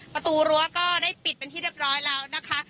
ประตูรั้วก็ได้ปิดเป็นที่เรียบร้อยแล้วนะคะ